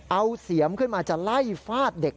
เอาเสียมขึ้นมาจะไล่ฟาดเด็ก